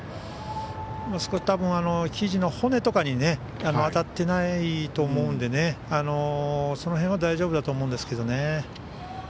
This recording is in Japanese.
多分、ひじの骨とかには当たっていないと思うのでその辺は大丈夫だと思うんですけどね。